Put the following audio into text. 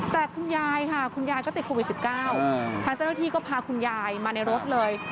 แต่คุณยายค่ะคุณยายก็ติดโควิด๑๙ทางเจ้าหน้าที่ก็พาคุณยายมาในรถเลย